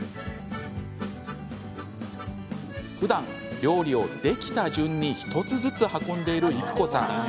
ふだん、料理をできた順に１つずつ運んでいる育子さん。